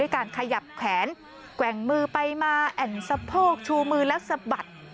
การขยับแขนแกว่งมือไปมาแอ่นสะโพกชูมือแล้วสะบัด